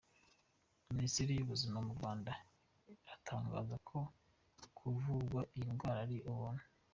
Minisiteri y’Ubuzima mu Rwanda itangaza ko kuvurwa iyi ndwara ari ubuntu.